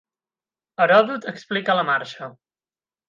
Heròdot explica la marxa.